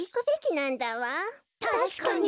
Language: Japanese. たしかに。